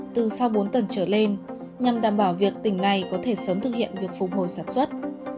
từ sau bốn tuần trở lên nhằm đảm bảo việc tỉnh này có thể sớm thực hiện việc phục hồi sản xuất